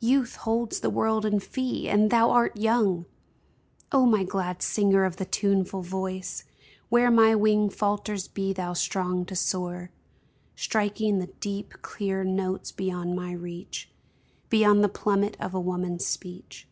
Youth holds the world in fee — and thou art young ! O my glad singer of the tuneful voice, Where my wing falters be thou strong to soar, Striking the deep, clear notes beyond my reach. Beyond the plummet of a woman's speech.